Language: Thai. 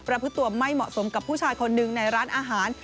พฤติตัวไม่เหมาะสมกับผู้ชายคนหนึ่งในร้านอาหาร